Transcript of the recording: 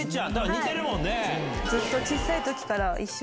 似てるもんね。